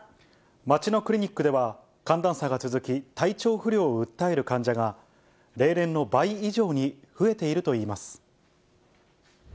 街のクリニックでは、寒暖差が続き、体調不良を訴える患者が、例年の倍以上に増えているといいます。